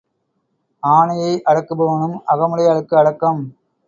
ஆனையை அடக்குபவனும் அகமுடையாளுக்கு அடக்கம்.